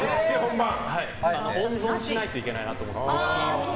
温存しないといけないなと思って。